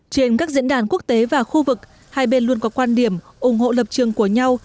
trên các diễn đàn quốc tế và khu vực hai bên luôn có quan điểm ủng hộ lập trường của nhau